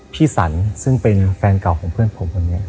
สันซึ่งเป็นแฟนเก่าของเพื่อนผมคนนี้